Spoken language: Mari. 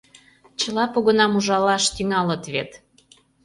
Чыла погынам ужалаш тӱҥалыт вет!..